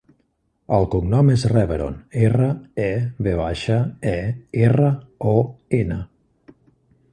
El cognom és Reveron: erra, e, ve baixa, e, erra, o, ena.